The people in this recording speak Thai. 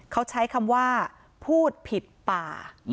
เขาใช้คำว่าพูดผิดป่า